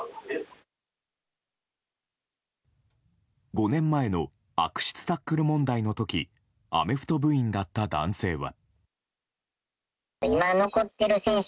５年前の悪質タックル問題の時アメフト部員だった男性は。